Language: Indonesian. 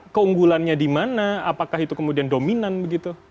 keunggulannya di mana apakah itu kemudian dominan begitu